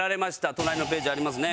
隣のページにありますね。